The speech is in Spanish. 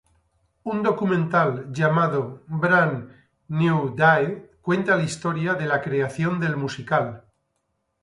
Un documental llamado "Bran Nue Dae" cuenta la historia de la creación del musical.